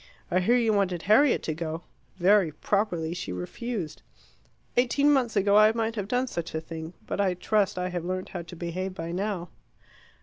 I hear you wanted Harriet to go. Very properly she refused. Eighteen months ago I might have done such a thing. But I trust I have learnt how to behave by now."